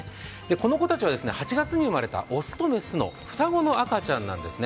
この子たちは８月に生まれた雄と雌の双子の赤ちゃんなんですね。